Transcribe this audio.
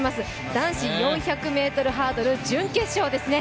男子４００ｍハードル準決勝ですね。